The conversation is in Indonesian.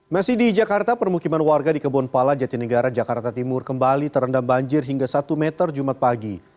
masih di jakarta permukiman warga di kebonpala jatinegara jakarta timur kembali terendam banjir hingga satu meter jumat pagi